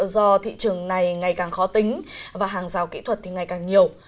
do thị trường này ngày càng khó tính và hàng rào kỹ thuật thì ngày càng nhiều